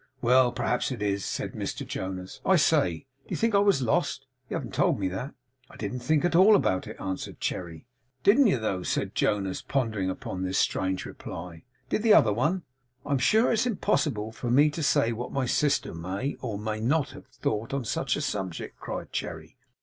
'Well, perhaps it is,' said Mr Jonas. 'I say Did you think I was lost? You haven't told me that.' 'I didn't think at all about it,' answered Cherry. 'Didn't you though?' said Jonas, pondering upon this strange reply. 'Did the other one?' 'I am sure it's impossible for me to say what my sister may, or may not have thought on such a subject,' cried Cherry.